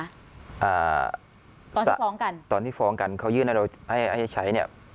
อ่าตอนที่ฟ้องกันตอนที่ฟ้องกันเขายื่นให้เราให้ให้ใช้เนี่ย